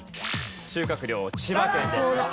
収穫量千葉県です。